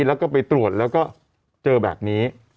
แล้วก็ไปตรวจแล้วก็เจอแบบนี้